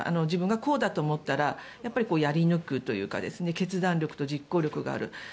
自分がこうだと思ったらやり抜くというか決断力と実行力がある。